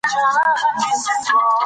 دا معاهده د غلامۍ سند و.